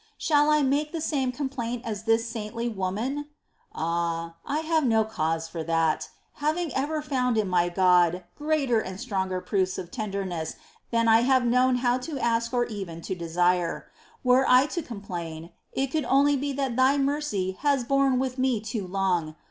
Shall I make the same complaint as this saintly woman ? 4. Ah, I have no cause for that, having ever found in my God greater and stronger proofs of tenderness than I have known how to ask or even to desire. — Were I to complain, it could only be that Thy mercy has borne with me too long.